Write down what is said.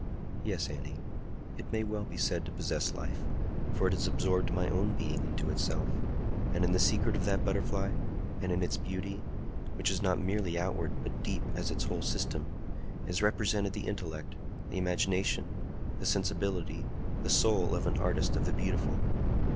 Yes, Annie; it may well be said to possess life, for it has absorbed my own being into itself; and in the secret of that butterfly, and in its beauty,—which is not merely outward, but deep as its whole system,—is represented the intellect, the imagination, the sensibility, the soul of an Artist of the Beautiful!